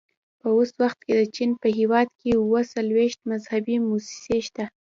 په اوس وخت کې د چین په هېواد کې اووه څلوېښت مذهبي مؤسسې شته.